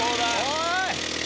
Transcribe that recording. おい。